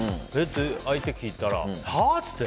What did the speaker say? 相手聞いたらはっつって。